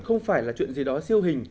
không phải là chuyện gì đó siêu hình